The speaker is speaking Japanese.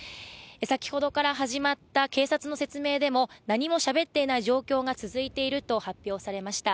先ほどから始まった警察の説明でも何もしゃべっていない状況が続いていると発表されました。